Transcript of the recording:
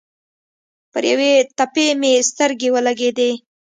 پر یوې تپې مې سترګې ولګېدې.